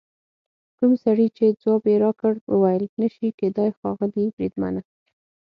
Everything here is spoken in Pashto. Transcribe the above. کوم سړي چې ځواب یې راکړ وویل: نه شي کېدای ښاغلي بریدمنه.